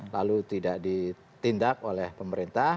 lalu tidak ditindak oleh pemerintah